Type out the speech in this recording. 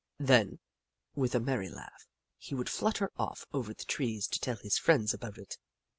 Then, with a merry laugh, he would flutter off over the trees to tell his friends about it.